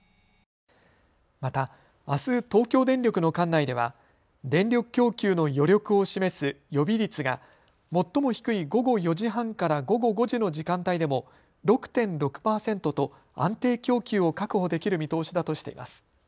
またあす東京電力の管内では電力供給の余力を示す予備率が最も低い午後４時半から午後５時の時間帯でも６．６％と安定供給を確保できる見通しだとしています。